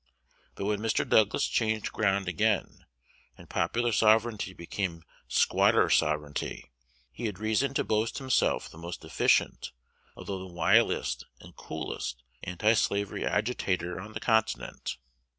But when Mr. Douglas changed ground again, and popular sovereignty became squatter sovereignty, he had reason to boast himself the most efficient, although the wiliest and coolest, antislavery agitator on the continent.